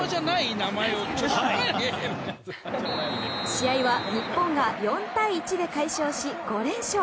試合は日本が４対１で快勝し、５連勝。